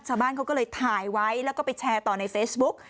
ชาวบ้านเขาก็เลยถ่ายไว้แล้วก็ไปแชร์ต่อในเฟซบุ๊ก